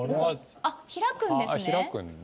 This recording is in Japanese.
ああ開くんですね。